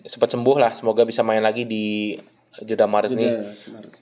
sempet sembuh lah semoga bisa main lagi di jeda maret nih